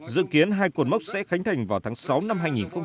dự kiến hai cột mốc sẽ khánh thành vào tháng sáu năm hai nghìn một mươi bảy